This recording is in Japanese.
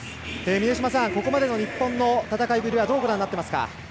峰島さん、ここまでの日本の戦いぶりはどうご覧になってますか？